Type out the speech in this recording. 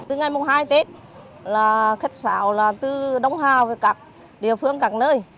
từ ngày hai tết khách xảo từ đông hào về các địa phương các nơi